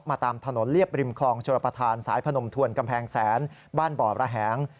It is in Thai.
ตามถนนเรียบริมคลองชลประธานสายพนมทวนกำแพงแสนบ้านบ่อระแหง